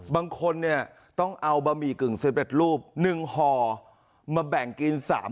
บางคนเนี่ยต้องเอาบะหมี่กึ่ง๑๑รูป๑ห่อมาแบ่งกิน๓๐๐